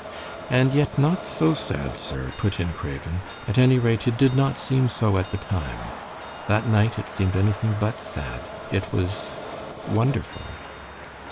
"And yet not so sad, sir," put in Craven. "At any rate, it did not seem so at the time. That night it seemed anything but sad. It was wonderful."